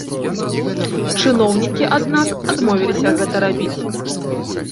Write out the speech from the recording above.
Чыноўнікі, аднак, адмовіліся гэта рабіць.